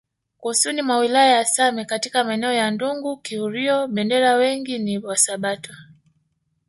Kusini mwa wilaya ya Same katika maeneo ya Ndungu Kihurio Bendera wengi ni wasabato